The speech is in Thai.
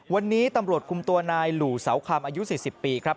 วันนี้ตำรวจคุมตัวนายหลู่เสาคำอายุ๔๐ปีครับ